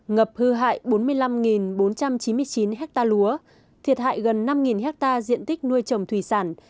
ngập hư hại bốn mươi năm bốn trăm chín mươi chín hectare lúa thiệt hại gần năm hectare diện tích nuôi trồng thủy sản